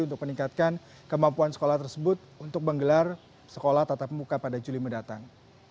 untuk meningkatkan kemampuan sekolah tersebut untuk menggelar sekolah tatap muka pada juli mendatang